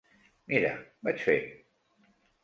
Mira, vaig fent.